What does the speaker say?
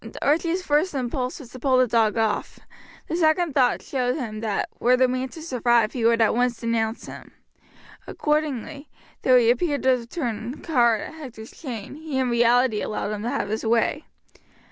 Archie's first impulse was to pull the dog off, the second thought showed him that, were the man to survive he would at once denounce him. Accordingly, though he appeared to tug hard at Hector's chain, he in reality allowed him to have his way.